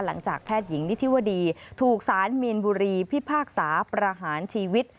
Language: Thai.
หลังจากแพทย์หญิงนิธิวดีถูกสารมีนบุรีพิพากษาประหารชีวิต